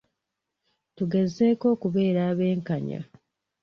Tugezeeko okubeera abenkanya.